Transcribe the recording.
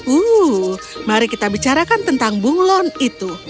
uh mari kita bicarakan tentang bunglon itu